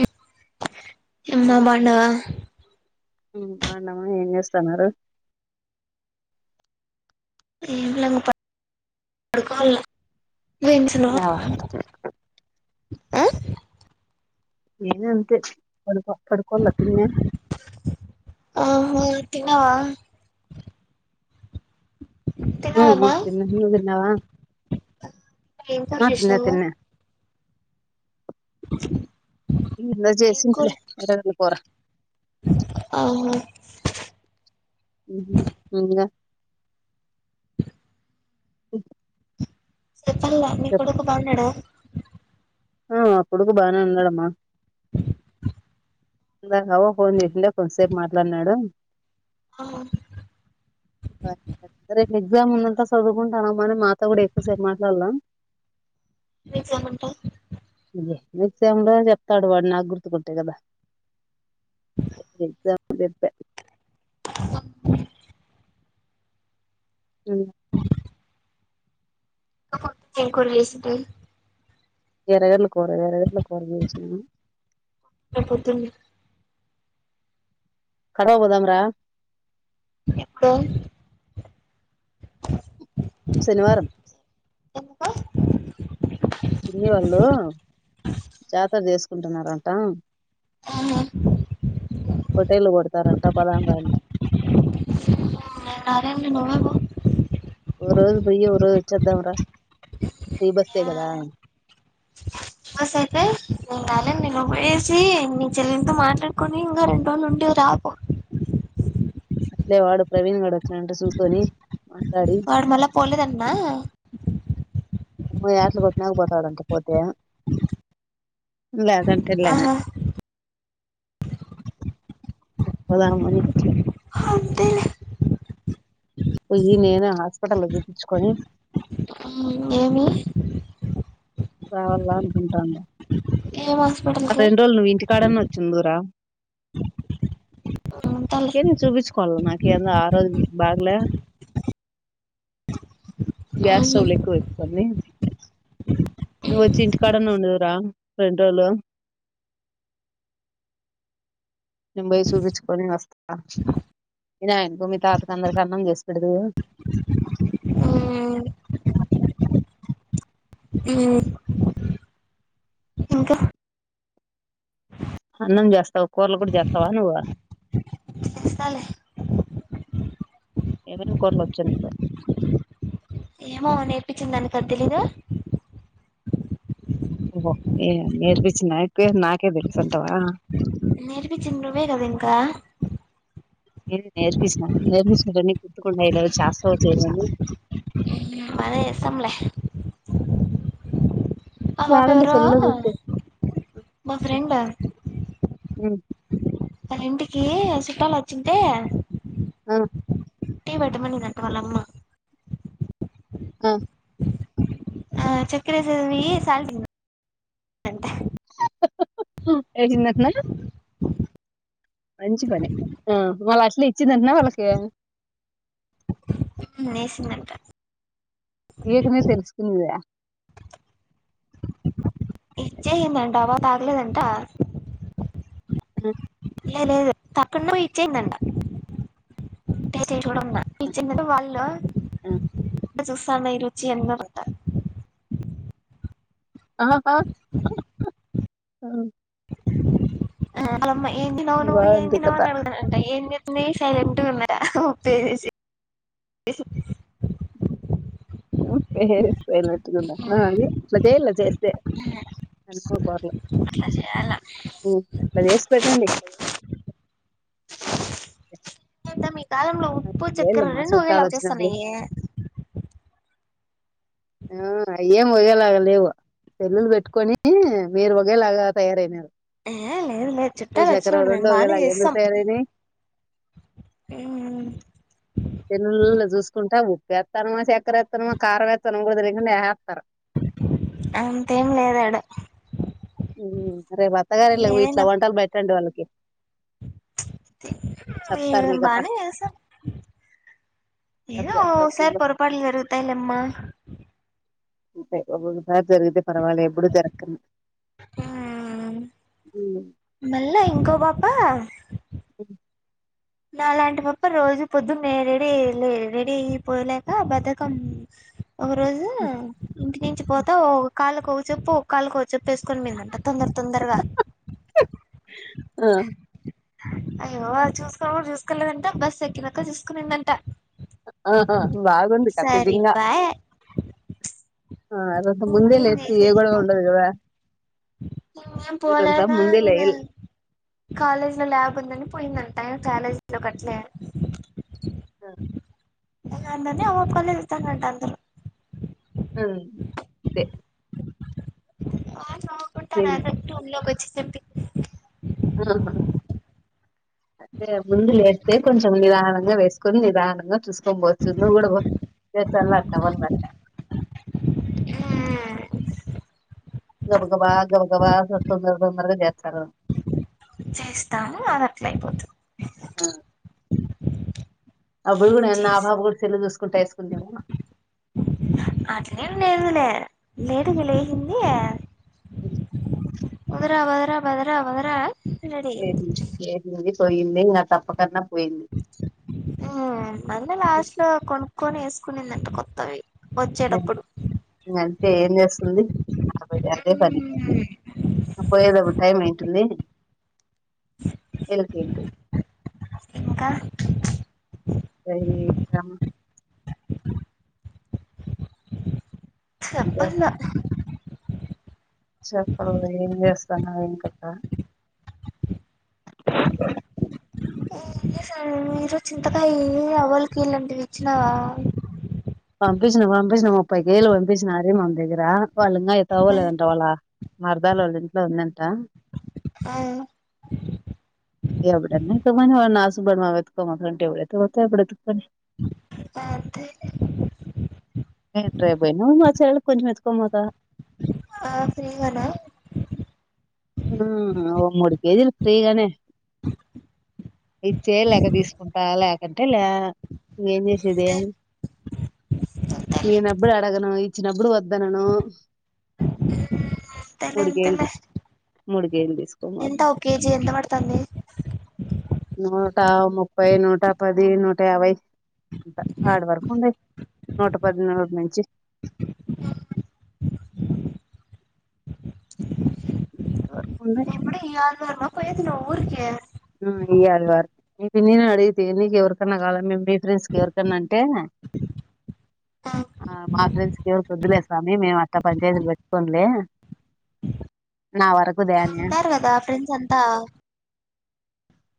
ఇ అమ్మా పాండవా బాగున్నామా ఏం చేస్తున్నారు ఏం లా పడుకోఉన్నా వెంంచన్నాఫ్ తిన్నావా [unintelligible] ఆ నేను అంతే పడుక పడుకోన్న తిన్నే ఆహా తిన్నావా ఉమ్ ఉమ్ న తిన్నావమ్మా తిన్నా నువ్వు తిన్నావా ఏం కూర చేసినావు ఇలా జేసినట్లే కూర ఆ హహ ఇంకా చెప్పాలే నీ కొడుకు బాగున్నాడా ఆ నా కొడుకు బానే ఉన్నాడమ్మా [inaudible] ఇందాక అవ్వ ఫోన్ చేసిందా కొద్ది సేపు మాట్లాడినాడు ఆ రేపు ఎగ్జామ్ ఉన్న చదువుకుంటానమ్మ అని మాతో కూడా ఎక్కువసేపు మాట్లాలా మీస ఉంటా మీసయమంలో చెప్తాడు వాడు నాకు గుర్తుకుంటే కదా ఎక్సంపుల్ చెప్పా [inaudible] ఆమ్ ఏం కూర [unintelligible] చేసిట్ ఎరగడ్ల కూర ఎర్రగడ్ల కూర చేసినాను అయిపోతుంది కడవ పోదాం రా ఇప్పు శనివారం ఎందుకో పిన్ని వాళ్ళు జాతర చేసుకుంటున్నారంట ఆహా పొట్టేలు కోడుతున్నారు చేస్తారంట పోదాం పదండి నారాయణనుబ ఒక రోజు పోయి ఒకరోజు వచ్చేద్దాం రా ఫ్రీ బస్సు ఏ కదా ఫ్రీ బస్సు అయితే ఇంకేంది నువ్వు పోయేసి నీ చెల్లెతో మాట్లాడుకొని ఇంకా రెండు రోజులు ఉండి రాపో అట్లే వాడు ప్రవీణ్ గడు వచ్చానంటే చూసుకొని మాట్లాడి వాడు మళ పోలేదన్నా ఎట్లుకోటినాక పోతాడంట పోతే లే ఏం తినలే ఆహా పోదామని పెట్టలే అంతేలే పోయ్యి నేనే హాస్పిటల్ చూప్పించుకొని ఉమ్, ఏమి రావాలా అనుకుంటున్నా ఏం హాస్పిటల్కి రెండు రోజులు నువ్వు ఇంటికాడన్నానా వచ్చుంధూర ఉంటాలే ఏమా చూపించుకోవాలి నాకా ముఖ్యం గా ఆ రోజు నుంచి బాగలే గ్యాస్ ఉమ్, ట్రబుల్ ఎక్కువ అయిపోతుంది నువ్వు వచ్చి ఇంటికాడనే ఉండవురా రెండు రోజులు నేను పోయి చూపించుకొని వస్తా మీ నాయనకి మీ తాతకి అందరికి అన్నం చేసి పెడుదువు హు ఉ అన్నం చేస్తావా కూరలు కూడా జచేస్తావా నువ్వు వస్తాలే ఏమేం కూరలు వచ్చు ఏమో నేర్పించిందానికి అది తెలీదా ఓ ఏ నేర్పిచిన నాకు నాకే తెలుసు అంటావా నేర్పించిది నువ్వే కదా ఇంకా ఏ నేర్పిస్తున నేర్పిించినని కుట్టుకుండా ఇవాళ చేస్తనువవు బలే ఇష్టం లే [unintelligible] రాదంటే సెల్ లో చూసి చెయ్ మా ఫ్రెండ్ మరి ఇంటికి చుట్టాలు వచ్చింటే ఆ టి పెట్టామనిందంట వల్ల అమ్మా ఆ ఆ చక్కర ఏసేది సాల్ట్ అంట [unintelligible] వేసిందటనా మంచి పని ఆ వాళ్ళ అట్లు ఇచ్చింరటనా వాళ్ళకి ఉ హు నేసిదట ఏకనే తెల్సుకునిద ఇచ్చేదంటవా తగలేదంటా రె లే తక్క చూడందా ఈ చిన్న వాళ్ళు చూస్థాన్న ఇ రుచి ఎంత బాగుందో ఆ ఆ ఆ అమ్మాయి వాంత కథ న సైలెట్గా ఉన్నా ఉప్పేసేసి ఏస్ ఉ ఉ హే హే అది అట్లా చేయలే చేస్తే అనుకూరలు అట్లా చేయాల ఉ అట్లా చేసి పెట్టండి మొత్తం ఈ కాలంలో ఉప్పు చక్కెర వేళ్ళమ్మా రెండు వేలా చుట్టాలు వచ్చినప్పుడు వచ్చేస్తాన్నాయ ఆ అయి ఏం వగేలాగ లేవు పెళ్లులు పెట్టుకొని మీరు వగేలాగా తయారనారు ఏ ఏ పూజాకరా రెండు ఒకే లాగ ఎందుూకు తయారు అయినాయి ఉ ఉ సెల్లులల్ల చూసుకుంటా ఉప్పుేస్తానమా చక్కర ఎత్తానుమా కారం ఎేత్తానామ కూడా తలియాకుండా వేసేత్తున్నారు అంతేం లేదు ఆడ ఉ రేపు అత్తగారు ఇల్లకు పోయి ఇట్ల ఏదైనా వంటలు పెట్టండి వాళ్ళకి చెప్తారు మీ కథ బానే చేసా ఏదో చేస్తారు ఫుల్ ఓసరి పొరపాటులు జరుగుతాయి లే అమ్మ అంతే ఓకోకసారీ జరుగితే పర్వాలే ఎప్పుడు జరకు మ్మ్ అ మళ్ళా ఇంకో పాప ఆ నాలాంటి పప రోజు పొద్దున్న నేను రెడీ అయ రెడీ అయిపోయలేక బధకం ఒక రోజు ఇంటి నుంచి పోతా ఓ కాళ్లుకో ఒకచెప్పు ఒక కాలుకో ఒక చెప్పు వేసుకొని పోయిదంట తొందర తొందరగా ఆ అయ్యో చూసుకో కూడా చూసుకోలేదంట బస్ ఎక్కినక చూసుకునిందంట ఆహా బాగుంది కతదింగా సరిపాయే ఆ అదంత ముందే లేస్తే ఏ గోడవ ఉండదు కదా నువ్వేం మీరంతా పోలేదా ముందే ఇంకా లేయల్ కాలేజ్ లో ల్యాబ్ ఉందని పోయిందన్ టైమ్ కాలేజీలో కట్లే వాళ్ళందరినీ ఆ పాప కళ్ళే చూస్తునరంట అందరూ హు తె ఆమ్స్ రావ్ నేను- ఉంటానండి రూమ్ లో వచ్చి తెప్పి ఆహ అదే ముందులేస్తే కొంచెం నిదానం ఇంగావేసుకొని నిదానంగా చూసుకోం పోవచ్చు నువ్వు కూడా పో లేచ అన్నమాట చెప్పి గబగబా గబగబా తొందర తొందరగా చేతరు చేస్తాను అది అట్లయిపోతు ఆ. అప్పుడు కూడా నా చేసి పాప కుడ్ సెల్లు చూస్తూ కుట్టేసుకుంటిమా అట్లేం లేదు లే లేటుగా లేసింది ఉహు వదరా వదరా భదరా వదరా ఏ రెడీయింది బి ఏ బి పోయిందే ఇంకా తప్పకున్నా హా అంతే లాస్ట్ లో కొను కొని వేసుకునిందంట కొత్తవి వచ్చేటప్పుడు అయితే ఏం చేస్తుంది ఆమెకు అదే పని మ్ పోయేటప్పుడు టైం అయితుంది ఎలుకేంటి ఇంకా కైతం చెప్పాలా హు చెప్పు ఏం చేస్ సన్నావు ఏం కథ ఏం చేసావ్ మీరు చింతకాయ అవల్ కిలాంటివి వచ్చినవా పం పంపించిన ముప్పై కేలు పంపించిన హరిమం దగ్గర వాళ్ళు ఇంకా ఎక్క ఆ పోలేదంట వాళ్ళ ఉందం మరదలు వాళ్ళ ఇంట్లో ఉంద ఆ ఎవడన్నా ఎట్లన్నా పోనీ వాళ్లే నాశనం [unintelligible] త మావడేడ తాంతే నేను రేపు పోయిన మా చెల్లెలికి కొంచెం ఎత్తుకొని పోతా ఆ ఫ్రీగానా ఆ ఒకఓ మూడు కేజీలు ఫ్రీగానే ఇచ్చే లేక తీసుకుంటా లేక ఎంటల ఏంచేసేదే అంతేలే అంతేలే ఈయనప్పుడు అడగను ఈ చిినప్పుడు వద్దనను ఎంత మూడు ఎంత కేజీలు మూడు కేజీలు తీసుకోమోక ఎంతా ఓ కేేజీ ఎంత మట తన్నీ నూట ముప్పై నూట పది నూట యాభై హార్డ్ వర్క్ ఉండ నూట పది నూటి నుంచి కుంద అప్పుడు ఆరున్నరమా పోతున్నా ఊరుకి ఇయ్యాలి వారి న నేను అడిగితే నీకు ఎవరికన్నా కాలం మేము మీ ఫ్రెండ్స్ కి ఎవరికన్నా అంటే ఆ మా ఫ్రెండ్స్ కి ఎవరిక వద్దులే స్వామి మేము అత్త పంచాయతీలు పెట్టుకోంలే నా వరకు దాని అన్నారు కదా ప్రెండ్స్ అంతా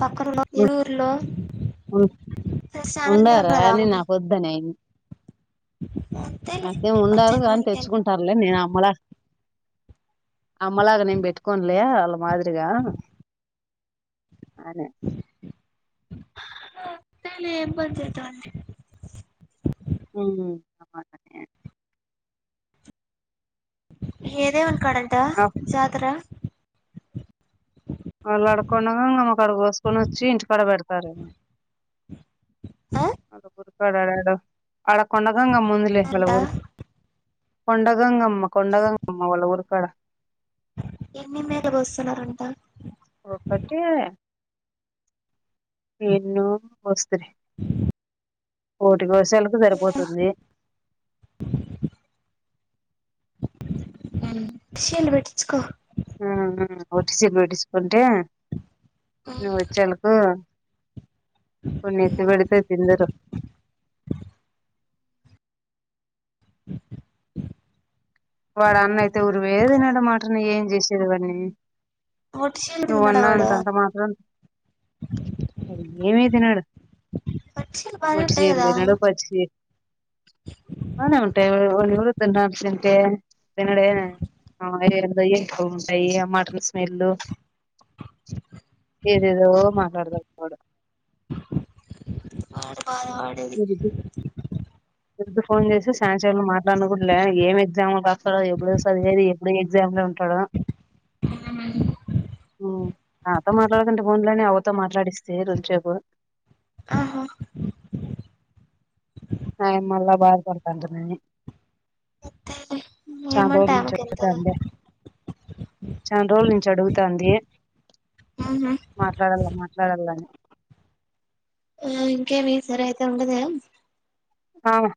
పక్కంలో ఏలూరులో ఉండారా అని నా వొద్దునే అంతేలే అతేేం ఈ ఉండరు పంచాయతీ కాని మనకి తెచ్చుకుంటారులే నేను అమ్మలా అమ్ మళగా నిం పెట్కలి అల్ మాదిరి అందుగా అదే తెలి ఇబ్బంది చేతాండి అ ఏదే కడట ఆ, జాతర వాళ్ళు అడుక్కుండా మాకు అక్కడ కోసుకొని వచ్చి ఇంటికాడ పెడతారు ఆ? పడాడాడ అడకుండదంగా ముందు లే వాల అంట ఊరు కొండగంగమ్ కొండగంగా అమ్మ వాళ్ళఊరుకాడ ఎన్ని మీద వస్తున్నారంట ఒక ఒకటిే ఎన్న వస్త [inaudible] ప్ర కోశాలకు సరిపోతుంది చేలు పెట్టిచ్చుకో హ ఒట్సి నడిస్క వచ్చలకు పన్నిసిబడితే తిందరు వాడు అన్నతే ఊరువేతినడమాటని ఏం జేసేదివన్నీ ఒట్టి షీలు తిన్నాడా నువ్వన్నా వాడు అంతంత మాత్రం వాడు ఏమి తినడు ఒట్టి షీలు బాగానే ఉంటాయి ఓటిసేయాల్ కదా తినడు పచ్చి సేయల్ బానే ఉంటాయ్ వాడెవడు తినడు తింటే తినడే ఆ ఏంటిదో ఎంబాగుంటాయ్ ఆ మాటన్ స్మెలు ఏదేదో మాటడతాడు వాడు అడ బాధవడది దుర్గ్ ఫోన్ చేసి సాన్సేపు మాట్లాడనకూడలే ఏం ఎగ్జాముల్ రాస్తాడో ఎప్పుడు సదివేది ఎప్పుడు ఎగ్జామ్ లో ఉంటాడో ఉమ్ నాతో మాట్లాడుకుంటే ఫోన్లోనే అవ్వతో మాట్లాడిస్తి రుంచేపు ఆహా హ్ ఆయిన్ మళ్ళా బాధపడుతాంటనని ఏమంట ఆమకి ఇంతగా చాన్ రోజుల నుంచి అడుగుతాంది ఉహు. మాట్లడల మాట్ వదల్ దాన్ని ఆ ఇంకేమీ సరయితే ఉండెదా ఆ హ్